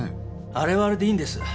あれはあれでいいんです。